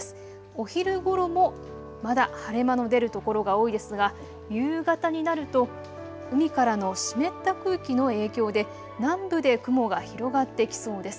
お昼ごろもまだ晴れ間の出る所が多いですが夕方になると海からの湿った空気の影響で南部で雲が広がってきそうです。